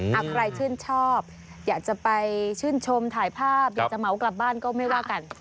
ใครชื่นชอบอยากจะไปชื่นชมถ่ายภาพอยากจะเหมากลับบ้านก็ไม่ว่ากัน